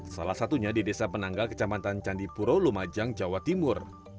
salah satunya di desa penanggal kecamatan candipuro lumajang jawa timur